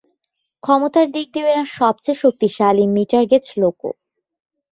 ক্ষমতার দিক দিয়েও এরা সবচেয়ে শক্তিশালী মিটার-গেজ লোকো।